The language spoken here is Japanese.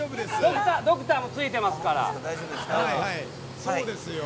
ドクターもついてますから。